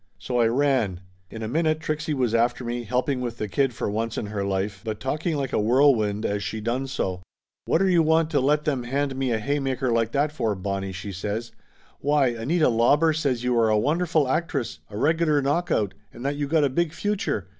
So I ran. In a minute Trixie was after me, helping with the kid for once in her life, but talking like a whirlwind as she done so. "Whatter you want to let them hand me a haymaker like that for, Bonnie?" she says. "Why, Anita Lauber says you are a wonderful actress, a regular knockout, and that you got a big future.